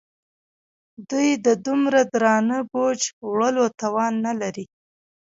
دوی د دومره درانه بوج وړلو توان نه لري.